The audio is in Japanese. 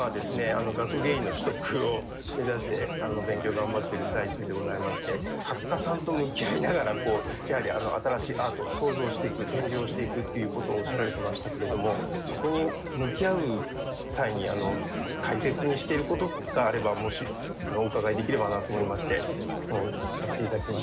学芸員の取得を目指して勉強頑張ってる最中でございまして作家さんと向き合いながらやはり新しいアートを創造していく展示をしていくっていうことをおっしゃられてましたけれどもそこに向き合う際に大切にしていることがあればもしお伺いできればなと思いまして質問させて頂きました。